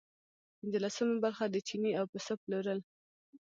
پنځلسمه برخه د چیني او پسه پلورل.